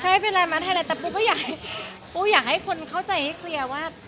ใช่เป็นร้านมาร์ทไทยแลนด์แต่ปูก็อยากให้คนเข้าใจให้เคลียร์ว่า